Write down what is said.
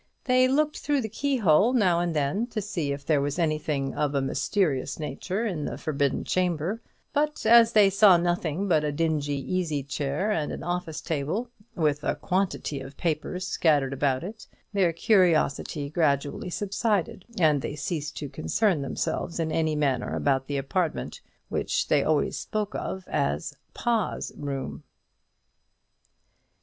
They looked through the keyhole now and then, to see if there was anything of a mysterious nature in the forbidden chamber; but, as they saw nothing but a dingy easy chair and an office table, with a quantity of papers scattered about it, their curiosity gradually subsided, and they ceased to concern themselves in any manner about the apartment, which they always spoke of as "Pa's room."